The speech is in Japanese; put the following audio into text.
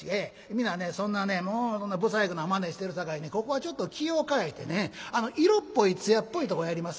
皆そんなねもう不細工なまねしてるさかいにここはちょっと気を変えてね色っぽい艶っぽいとこやります